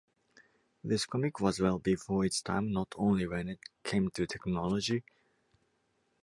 This comic was well before its time not only when it came to technology.